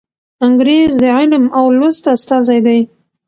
انګریز د علم او لوست استازی دی.